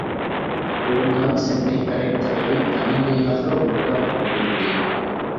ஒரு நாள் சென்னைக் கடற்கரையில் தனிமையாக உட்கார்ந்து கொண்டிருந்தேன்.